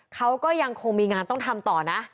เขาก็ยังคงมีงานต้องทำต่อนะ